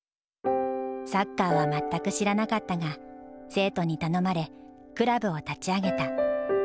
サッカーは全く知らなかったが生徒に頼まれクラブを立ち上げた。